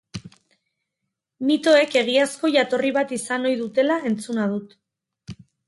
Mitoek egiazko jatorri bat izan ohi dutela entzuna dut.